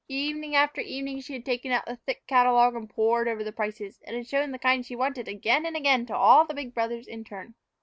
Evening after evening she had taken out the thick catalogue and pored over the prices, and had shown the kind she wanted again and again to all the big brothers in turn.